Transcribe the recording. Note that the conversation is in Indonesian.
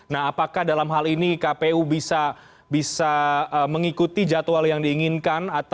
nah apakah dalam hal ini kpu bisa mengikuti jadwal yang diinginkan